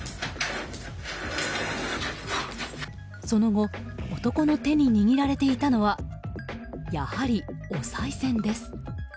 その後、男の手に握られていたのはやはり、おさい銭です。